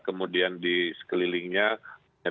kemudian di sekelilingnya